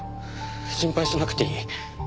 心配しなくていい。